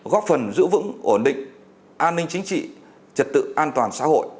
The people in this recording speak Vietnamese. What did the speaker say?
góp phần giữ vững ổn định an ninh chính trị trật tự an toàn xã hội